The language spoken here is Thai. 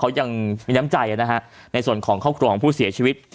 เขายังมีน้ำใจนะฮะในส่วนของครอบครัวของผู้เสียชีวิต